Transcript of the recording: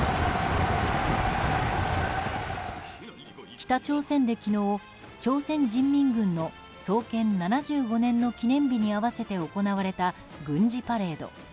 北朝鮮で昨日、朝鮮人民軍の創建７５年の記念日に合わせて行われた軍事パレード。